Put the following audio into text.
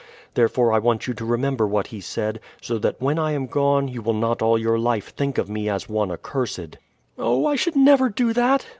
Therefore I want you to remember what he said, so that when I am gone you will not all your life think of me as one accursed." "Oh! I should never do that!"